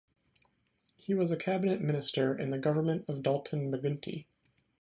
He was a cabinet minister in the government of Dalton McGuinty.